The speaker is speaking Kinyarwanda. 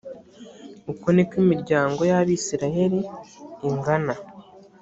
uko niko imiryango y’abayisraheli ingana.